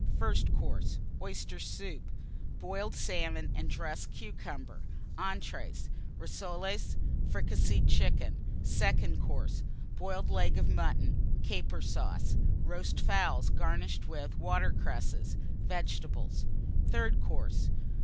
FIRST COURSE. Oyster Soup. Boiled Salmon and dressed Cucumber. ENTREES. Rissoles. Fricasseed Chicken. SECOND COURSE. Boiled Leg of Mutton, Caper Sauce. Roast Fowls, garnished with Water cresses. Vegetables. THIRD COURSE.